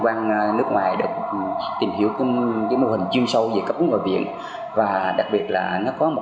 quan nước ngoài được tìm hiểu cái mô hình chuyên sâu về cấp cứu ngồi viện và đặc biệt là nó có một